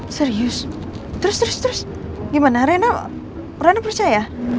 aku masih harus sembunyikan masalah lo andin dari mama